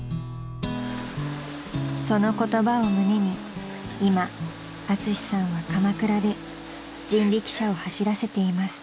［その言葉を胸に今アツシさんは鎌倉で人力車を走らせています］